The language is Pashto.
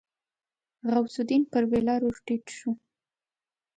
غوث الدين پر بېلر ور ټيټ شو.